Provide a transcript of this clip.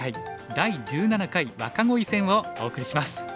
第１７回若鯉戦」をお送りします。